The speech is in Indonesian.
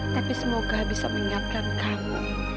tapi semoga bisa mengingatkan kamu